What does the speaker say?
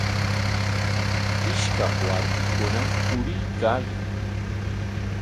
Ishkaq warmikunam puriykaayan.